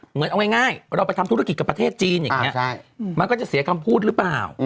เหมือนเอาง่ายเราไปทำธุรกิจกับประเทศจีนอย่างนี้มันก็จะเสียคำพูดหรือเปล่า